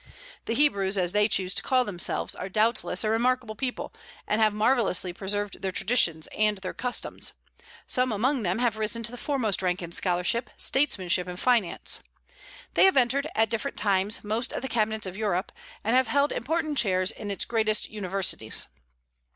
The Hebrews, as they choose to call themselves, are doubtless a remarkable people, and have marvellously preserved their traditions and their customs. Some among them have arisen to the foremost rank in scholarship, statesmanship, and finance. They have entered, at different times, most of the cabinets of Europe, and have held important chairs in its greatest universities.